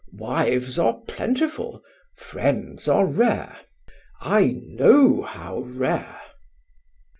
Wives are plentiful, friends are rare. I know how rare!"